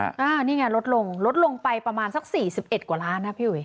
อันนี้ไงลดลงลดลงไปประมาณสักสี่สิบเอ็ดกว่าล้านนะพี่อุ๋